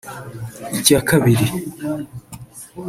Icya Kabiri